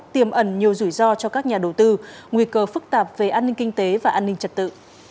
tiềm ẩn nhiều rủi ro cho các nhà đầu tư nguy cơ phức tạp về an ninh kinh tế và an ninh trật tự